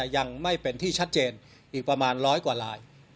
ยังไม่เป็นที่ชัดเจนอีกประมาณร้อยกว่าลาย